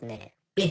「えっ？」。